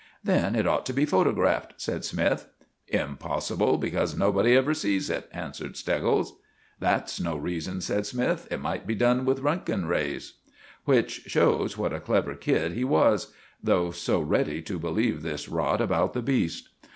"Then it ought to be photographed," said Smythe. "Impossible, because nobody ever sees it," answered Steggles. "That's no reason," said Smythe; "it might be done with Rontgen rays." Which shows what a clever kid he was, though so ready to believe this rot about the beast.